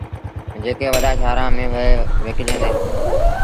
جيڪي وڏآݩ شآهرآݩ ميݩ وهي وڪجيٚن ديٚݩ۔